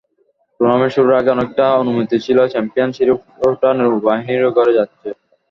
Tournament শুরুর আগে অনেকটা অনুমিতই ছিল চ্যাম্পিয়ন শিরোপাটা নৌবাহিনীরই ঘরে যাচ্ছে।